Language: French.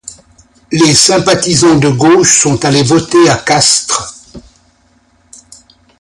Les sympathisants de gauche sont allés voter à Castres.